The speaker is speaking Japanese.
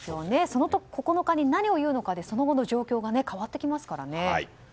その９日に何を言うのかでその後の状況が変わってきますからね。